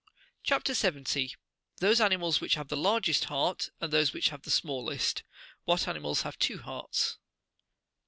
CHAP. 70. — THOSE ANIMALS WHICH HAVE THE LAEGEST HEART, AND THOSE WHICH HAVE THE SMALLEST. WHAT ANIMALS HAVE TWO HEARTS.